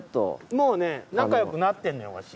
もうね仲よくなってんのよワシ。